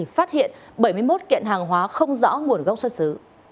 phát hiện bảy mươi một kiện hàng hóa không rõ nguồn gốc xuất xứ